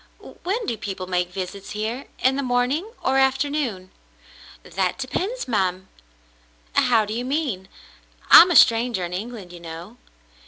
"When do people make visits here, in the morning or afternoon "^" "That depends, ma'm." "How do you mean ? I'm a stranger in England, you know."